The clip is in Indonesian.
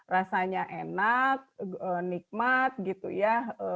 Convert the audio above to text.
rasanya enak nikmat gitu ya